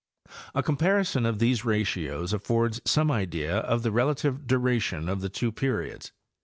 A comparison of these ratios affords some idea of the relative duration of the two periods.